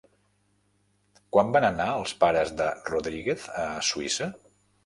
Quan van anar els pares de Rodríguez a Suïssa?